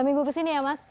tiga minggu kesini ya mas